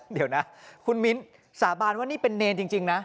เดี๋ยวนะคุณมิ้นสาบานว่านี่เป็นเนรจริงนะ